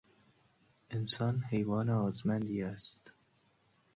انسان حیوان آزمندی است.